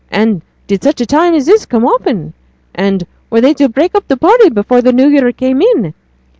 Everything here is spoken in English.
and did such a time as this come often? And were they to break up the party before the New Year came in?